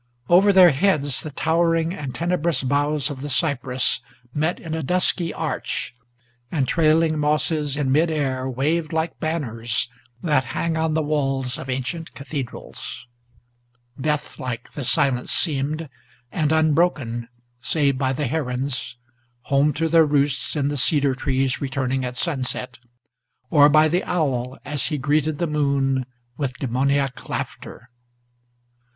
Over their heads the towering and tenebrous boughs of the cypress Met in a dusky arch, and trailing mosses in mid air Waved like banners that hang on the walls of ancient cathedrals. Deathlike the silence seemed, and unbroken, save by the herons Home to their roosts in the cedar trees returning at sunset, Or by the owl, as he greeted the moon with demoniac laughter.